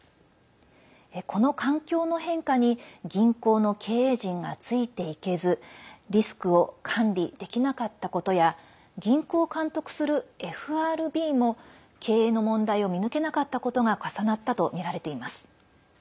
この環境の変化に銀行の経営陣がついていけずリスクを管理できなかったことや銀行を監督するＦＲＢも経営の問題を見抜けなかったことが重なったとみられています。